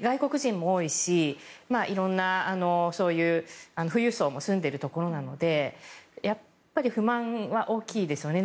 外国人も多いし色んな、そういう富裕層も住んでいるところなのでやっぱり不満は大きいですよね。